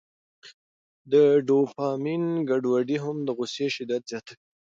د ډوپامین ګډوډي هم د غوسې شدت زیاتوي.